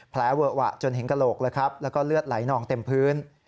เวอะหวะจนเห็นกระโหลกแล้วก็เลือดไหลนองเต็มพื้น